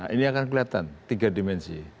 ini akan kelihatan tiga dimensi